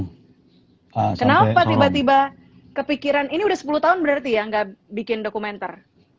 kenapa tiba tiba kepikiran ini udah sepuluh tahun berarti ya nggak bikin dokumenter